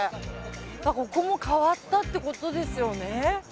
だからここも変わったってことですよね。